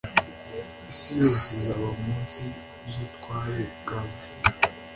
Isi yose izaba munsi yubutware bwanjye